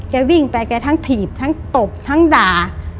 วิ่งไปแกทั้งถีบทั้งตบทั้งด่า